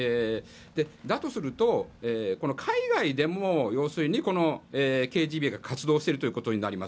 だとすると、海外でも要するにＫＧＢが活動しているということになります。